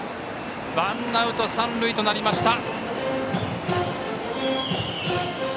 ワンアウト三塁となりました。